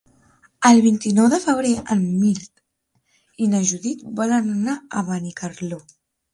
El vint-i-nou de febrer en Mirt i na Judit volen anar a Benicarló.